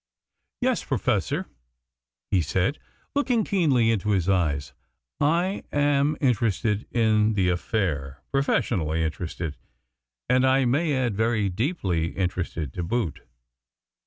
"Yes, Professor," he said, looking keenly into his eyes, "I am interested in the affaire, professionally interested, and, I may add, very deeply interested, to boot."